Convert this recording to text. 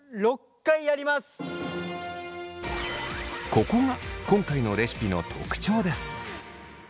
ここが今回のレシピの特徴です。